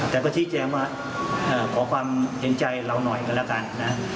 แต่ก็ชี้แจงว่าขอความเห็นใจเราหน่อยกันแล้วกันนะ